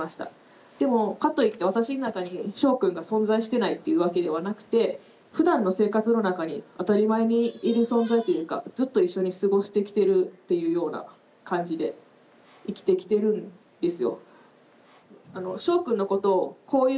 でもかといって私の中にしょうくんが存在してないっていうわけではなくてふだんの生活の中に当たり前にいる存在というかずっと一緒に過ごしてきてるっていうような感じで生きてきてるんですよ。